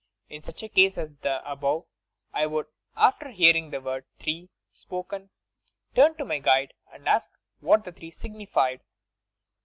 In such a ease as the above I would, after hearing the word 'three' spoken, turn to my guide and ask what the three signified.